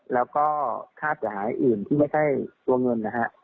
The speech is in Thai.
แล้วก็ค่าเสียหายอื่นที่ไม่ใช่ตัวเงินนะฮะ